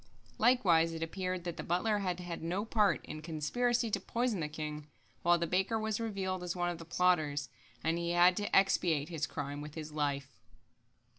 Likewise it appeared that the butler had had no part in the conspiracy to poison the king, while the baker was revealed as one of the plotters, and he had to expiate his crime with his life.